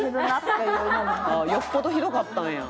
「よっぽどひどかったんや。